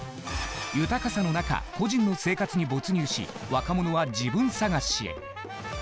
豊かさの中、個人の生活に没入し、若者は自分探しへ。